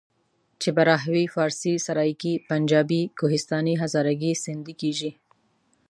پښتو، بلوچي، براهوي، فارسي، سرایکي، پنجابي، کوهستاني، هزارګي، سندهي..ویل کېژي.